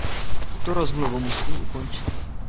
Tuto rozmluvu musím ukončit.